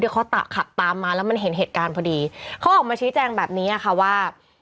เขาขับตามมาแล้วมันเห็นเหตุการณ์พอดีเขาออกมาชี้แจงแบบนี้อ่ะค่ะว่า